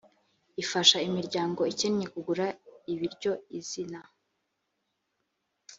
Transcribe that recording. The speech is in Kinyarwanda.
ifasha imiryango ikennye kugura ibiryo izina